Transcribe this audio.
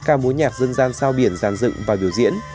ca mối nhạc dân gian sao biển giàn dựng và biểu diễn